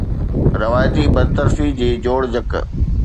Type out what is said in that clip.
روايتي برطرفي جي جوڙجڪ